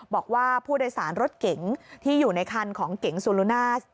บอกว่าผู้โดยสารรถเก๋งที่อยู่ในคันของเก๋งซูลูน่า